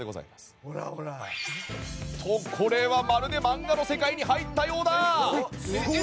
おっと、これはまるで漫画の世界に入ったようだ！